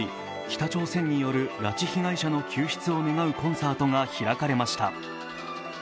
北朝鮮による拉致被害者の救出を願うコンサートが開かれました。